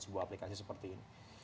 sebuah aplikasi seperti ini